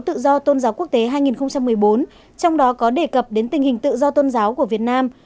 tự do tôn giáo quốc tế hai nghìn một mươi bốn trong đó có đề cập đến tình hình tự do tôn giáo của việt nam